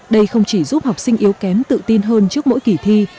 đây không chỉ giúp học sinh yếu kém tự tin hơn trước mỗi kỳ thi